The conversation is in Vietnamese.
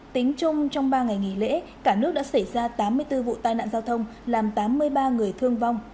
tính chung trong ba ngày nghỉ lễ cả nước đã xảy ra tám mươi bốn vụ tai nạn giao thông